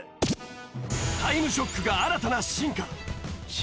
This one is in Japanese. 『タイムショック』が新たな進化